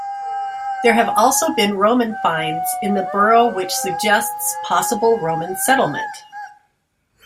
There have also been Roman finds in the borough which suggests possible Roman settlement.